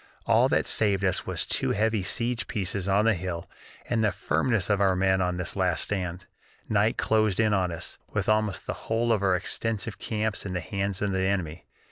All that saved us was two heavy siege pieces on the hill and the firmness of our men on this last stand. Night closed in on us, with almost the whole of our extensive camps in the hands of the enemy.